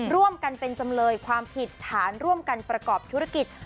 ร่วมกันเป็นจำเลยความผิดฐานร่วมกันประกอบธุรกิจ